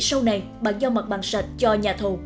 sau này bàn giao mặt bằng sạch cho nhà thầu